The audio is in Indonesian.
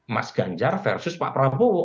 mas ganjar versus pak prabowo